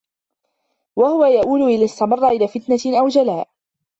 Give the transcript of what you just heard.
وَهُوَ يَئُولُ إنْ اسْتَمَرَّ إلَى فِتْنَةٍ أَوْ جَلَاءٍ